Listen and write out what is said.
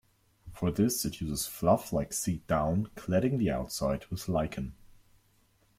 For this it uses fluff like seed down, cladding the outside with lichen.